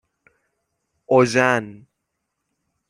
اوژن